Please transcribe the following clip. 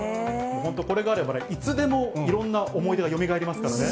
本当、これがあればね、いつでもいろんな思い出がよみがえりますからね。